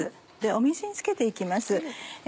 水につけて行きます。